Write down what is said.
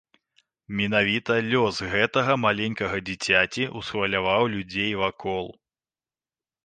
Менавіта лёс гэтага маленькага дзіцяці ўсхваляваў людзей вакол.